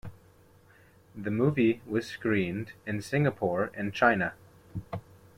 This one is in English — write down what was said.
The movie was screened in Singapore and China.